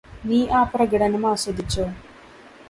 നീ ആ പ്രകടനം ആസ്വദിച്ചോ